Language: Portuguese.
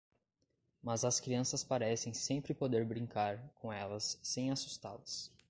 Mas as crianças parecem sempre poder brincar com elas sem assustá-las.